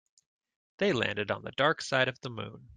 They landed on the dark side of the moon.